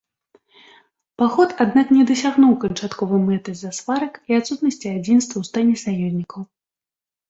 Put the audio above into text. Паход аднак не дасягнуў канчатковай мэты з-за сварак і адсутнасці адзінства ў стане саюзнікаў.